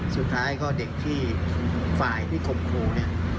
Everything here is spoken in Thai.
สุดท้ายก็เด็กที่ฝ่ายที่ข่มขู่เนี่ย